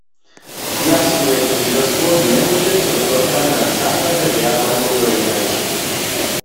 Zwjazkowe knježerstwo njemóže so dotal na zasadne rjadowanje dojednać.